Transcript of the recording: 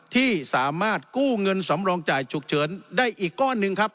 ที่สามารถกู้เงินสำรองจ่ายฉุกเฉินได้อีกก้อนหนึ่งครับ